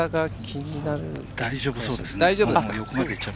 大丈夫そうですね。